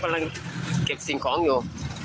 กำลังเก็บสิ่งของอยู่